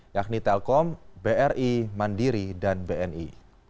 yakni telkom bri mandiri dan bni